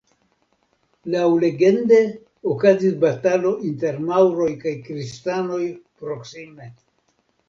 Laŭlegende okazis batalo inter maŭroj kaj kristanoj proksime.